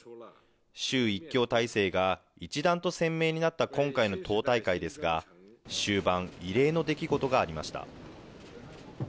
習一強体制が一段と鮮明になった今回の党大会ですが、終盤、異例の出来事がありました。